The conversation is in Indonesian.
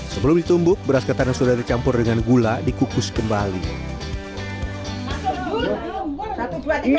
sebelum ditumbuk beras ketan yang sudah dicampur dengan gula dikukus dengan air agar ketan menjadi semakin lunak